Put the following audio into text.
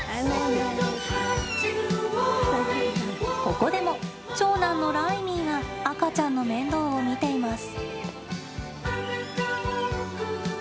ここでも長男のライミーが赤ちゃんの面倒を見ています。